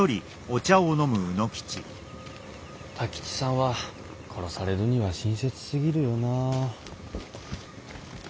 太吉さんは殺されるには親切すぎるよな。